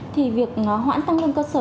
thì việc hoãn tăng lương cơ sở